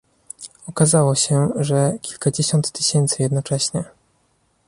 Okazało się, że kilkadziesiąt tysięcy jednocześnie